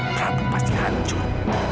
prabu pasti hancur